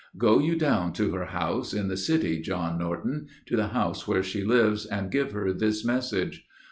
Go you down to her house, in the city, John Norton, To the house where she lives, and give her this message.